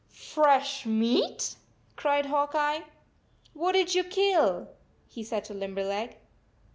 44 Fresh meat?" cried Hawk Eye. 44 What did you kill?" he said to Lim berleg.